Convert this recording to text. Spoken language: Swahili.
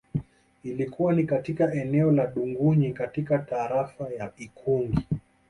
Ilikuwa ni katika eneo la Dungunyi katika tarafa ya Ikungi